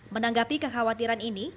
menanggapi kekhawatiran ini